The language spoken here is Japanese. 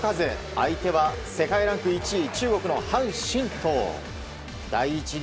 相手は世界ランク１位中国のハン・シントウ。